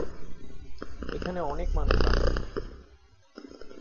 এখানে অনেক মানুষ আসেন।